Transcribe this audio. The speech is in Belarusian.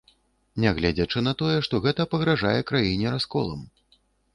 Нягледзячы на тое, што гэта пагражае краіне расколам.